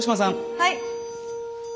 はい。